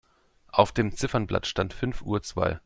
Auf dem Ziffernblatt stand fünf Uhr zwei.